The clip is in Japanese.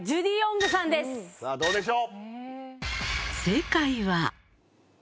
さぁどうでしょう？